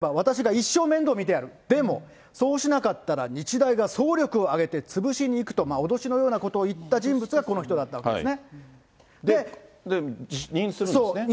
もししゃべらなければ、同意すれば、私が一生面倒見てやる、でも、そうしなかったら日大が総力を挙げて潰しにいくと、脅しのようなことを言った人物がこの人だったんですね。